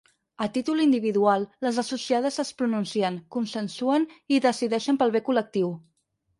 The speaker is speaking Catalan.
A títol individual, les associades es pronuncien, consensuen i decideixen pel bé col·lectiu.